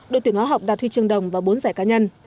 đội tuyển hóa học đạt huy chương đồng và bốn giải cá nhân